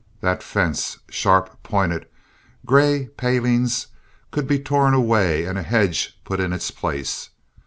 That fence—sharp pointed, gray palings—could be torn away and a hedge put in its place.